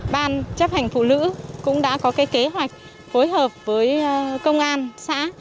ban chấp hành phụ nữ cũng đã có cái kế hoạch phối hợp với công an xã